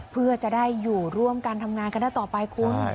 เพื่อจะได้อยู่ร่วมกันทำงานกันได้ต่อไปคุณ